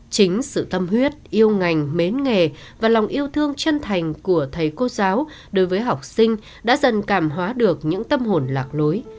chính sự tâm huyết yêu ngành mến nghề và lòng yêu thương chân thành của thầy cô giáo đối với học sinh đã dần cảm hóa được những tâm hồn lạc lối